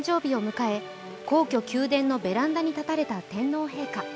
昨日、６３歳の誕生日を迎え皇居・宮殿のベランダに立たれた天皇陛下。